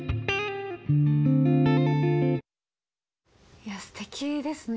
いやすてきですね。